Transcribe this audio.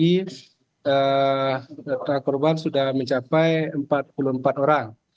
ini korban sudah mencapai empat puluh empat orang